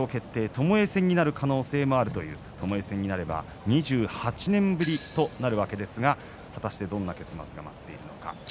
ともえ戦になる可能性もあるという、ともえ戦になれば２８年ぶりとなるわけですが果たして、どんな結末が待っているのか。